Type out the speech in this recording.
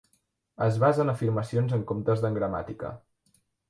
Es basa en afirmacions en comptes d'en gramàtica.